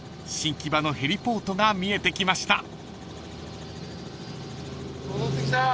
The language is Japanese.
［新木場のヘリポートが見えてきました］